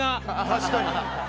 確かに。